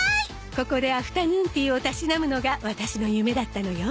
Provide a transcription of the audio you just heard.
ここでアフタヌーンティーをたしなむのがワタシの夢だったのよ